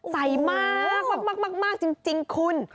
ใสมากจริงคุณ